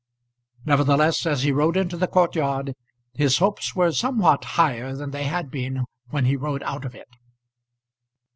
Nevertheless as he rode into the courtyard his hopes were somewhat higher than they had been when he rode out of it.